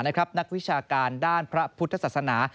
นักวิชาการด้านพระพุทธศาสนา